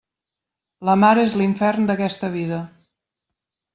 La mar és l'infern d'aquesta vida.